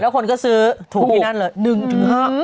แล้วคนก็ซื้อถูกที่นั่นเลย๑๕